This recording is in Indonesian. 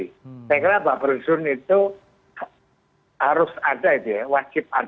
saya kira buffer zone itu harus ada wajib ada